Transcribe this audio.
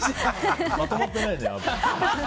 まとまってないね、アブ。